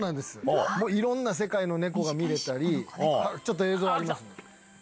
いろんな世界の猫が見れたり映像あります。